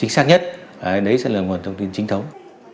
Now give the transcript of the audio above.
chính xác nhất đấy sẽ là nguồn thông tin chính thống